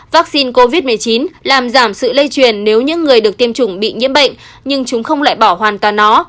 vaccine covid một mươi chín làm giảm sự lây truyền nếu những người được tiêm chủng bị nhiễm bệnh nhưng chúng không lại bỏ hoàn toàn nó